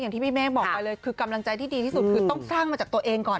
ที่พี่เมฆบอกไปเลยคือกำลังใจที่ดีที่สุดคือต้องสร้างมาจากตัวเองก่อน